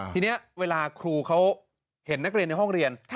ทีนี้เวลาครูเขาเห็นนักเรียนในห้องเรียน